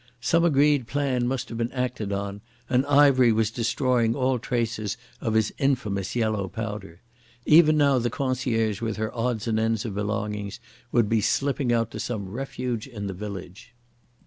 Some agreed plan must have been acted on, and Ivery was destroying all traces of his infamous yellow powder. Even now the concierge with her odds and ends of belongings would be slipping out to some refuge in the village.